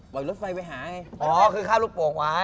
ปล่อยรถไฟไปหาให้อ๋อคือเข้าลูกโป่งไว้